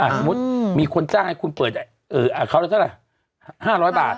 สมมุติมีคนจ้างให้คุณเปิดเขาละเท่าไหร่๕๐๐บาท